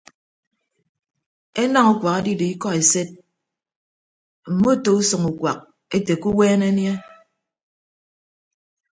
Enañ ukuak edido ikọ esed mmoto usʌñ ukuak ete ke uweene anie.